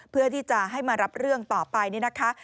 เพื่อที่จะให้มารับเรื่องต่อไปนี่นะคะ